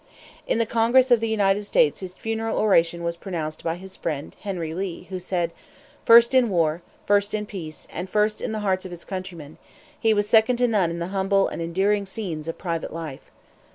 In the Congress of the United States his funeral oration was pronounced by his friend, Henry Lee, who said: "First in war, first in peace, and first in the hearts of his countrymen, he was second to none in the humble and endearing scenes of private life.